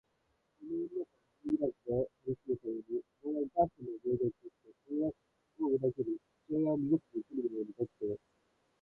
あの女と水入らずで楽しむために、お前はお母さんの思い出を傷つけ、友だちを裏切り、父親を身動きできぬようにベッドへ押しこんだのだ。